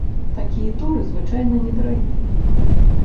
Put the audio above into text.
Такія туры звычайна недарагія.